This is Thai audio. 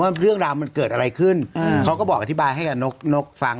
เรื่องราวมันเกิดอะไรขึ้นเขาก็บอกอธิบายให้กับนกนกฟัง